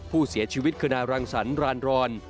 ผู้เสียชีวิตคณะรังสรรรานรอน